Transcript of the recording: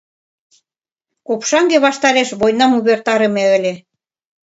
Копшаҥге ваштареш войнам увертарыме ыле.